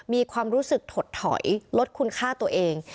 มีความรู้สึกถดถอยลดคุณค่าตัวเอง